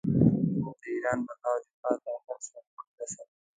د ایران بقا او دفاع تر هر څه مقدمه ده.